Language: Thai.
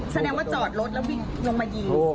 แสดงว่าจอดรถแล้วบินลงมายิง